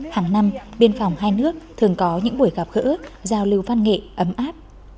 hàng năm biên phòng hai nước thường có những buổi gặp gỡ giao lưu văn nghệ ấm áp